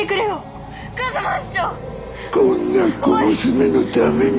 こんな小娘のために。